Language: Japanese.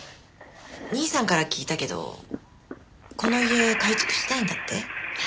兄さんから聞いたけどこの家改築したいんだって？